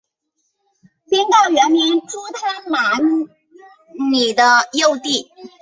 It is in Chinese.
宾告原名朱他玛尼的幼弟。